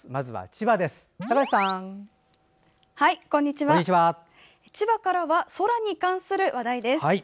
千葉からは空に関する話題です。